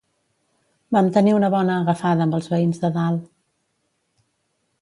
Vam tenir una bona agafada amb els veïns de dalt.